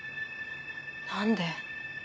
何で？